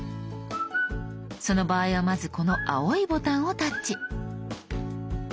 その場合はまずこの青いボタンをタッチ。